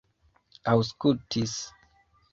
aŭskultis